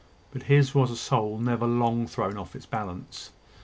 But his was a soul never long thrown off its balance.